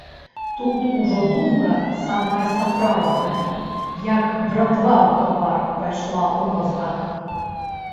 Тут ужо думка, самая сапраўдная, як дратва ў тавар, пайшла ў мазгах.